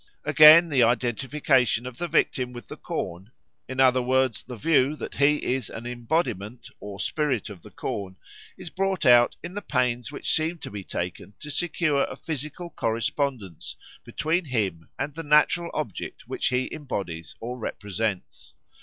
Again, the identification of the victim with the corn, in other words, the view that he is an embodiment or spirit of the corn, is brought out in the pains which seem to be taken to secure a physical correspondence between him and the natural object which he embodies or represents.